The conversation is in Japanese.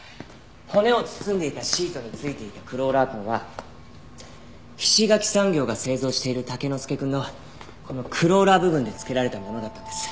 骨を包んでいたシートについていたクローラー痕は菱ヶ木産業が製造しているタケノスケくんのこのクローラー部分でつけられたものだったんです。